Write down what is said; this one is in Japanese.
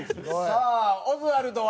さあオズワルドは？